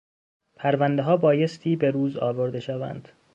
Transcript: پروندهها بایستی به روز آورده شوند.